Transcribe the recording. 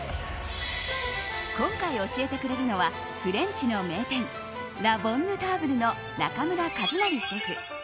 今回教えてくれるのはフレンチの名店ラ・ボンヌターブルの中村和成シェフ。